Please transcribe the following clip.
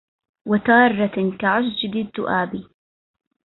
وتارةً كعسجدِ الذُّؤابِ